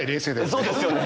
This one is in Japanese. そうですよね。